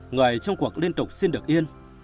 người trong cuộc liên tục xin được yên